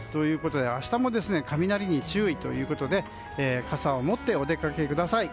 明日も雷に注意ということで傘を持ってお出かけください。